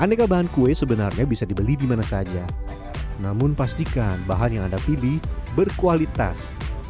aneka bahan kue sebenarnya bisa dibeli dimana saja namun pastikan bahan yang anda pilih berkualitas